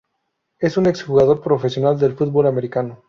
Es un ex jugador profesional de fútbol americano.